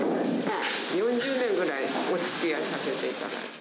４０年ぐらいおつきあいさせていただいて。